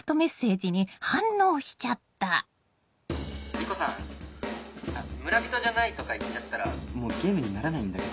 莉子さん村人じゃないとか言っちゃったらもうゲームにならないんだけど。